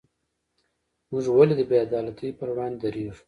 موږ ولې د بې عدالتۍ پر وړاندې دریږو؟